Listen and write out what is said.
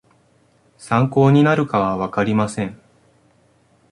参考になるかはわかりません